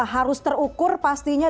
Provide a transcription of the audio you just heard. harus terukur pastinya